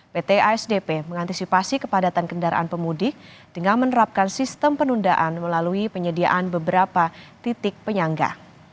pt asdp mengantisipasi kepadatan kendaraan pemudik dengan menerapkan sistem penundaan melalui penyediaan beberapa titik penyangga